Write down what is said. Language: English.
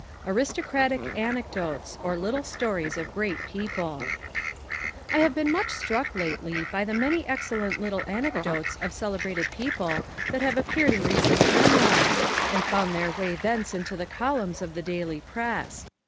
Aristocratic Anecdotes or Little Stories of Great People I have been much struck lately by the many excellent little anecdotes of celebrated people that have appeared in recent memoirs and found their way thence into the columns of the daily press.